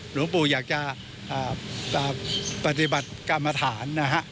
หลวงปู่อยากจะปฏิบัติกรรมฐานนะฮะ